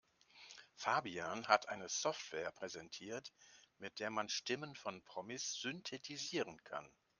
Fabian hat eine Software präsentiert, mit der man Stimmen von Promis synthetisieren kann.